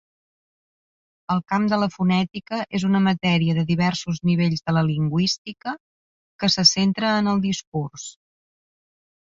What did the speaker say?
El camp de la fonètica és una matèria de diversos nivells de la lingüística que se centra en el discurs.